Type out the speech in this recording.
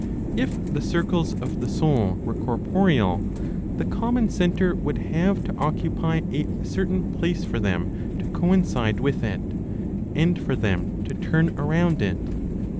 If the circles of the soul were corporeal, the common centre would have to occupy a certain place for them to coincide with it, and for them to turn around it.